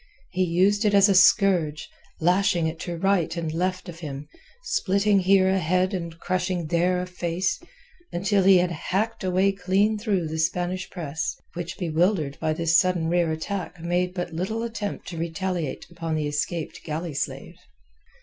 He used it as a scourge, lashing it to right and left of him, splitting here a head and crushing there a face, until he had hacked a way clean through the Spanish press, which bewildered by this sudden rear attack made but little attempt to retaliate upon the escaped galley slave.